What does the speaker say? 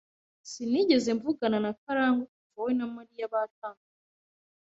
Sinigeze mvugana na Karangwa kuva we na Mariya batandukana.